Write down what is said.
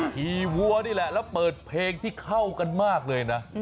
ขี่วัวนี่แหละแล้วเปิดเพลงที่เข้ากันมากเลยนะ